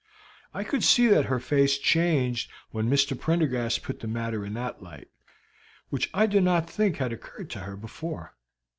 I could see that her face changed when Mr. Prendergast put the matter in that light, which I do not think had occurred to her before.